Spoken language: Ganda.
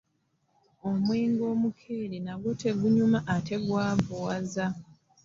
Omwenge omukeere nagwo tegunyuma ate gwavuwaza.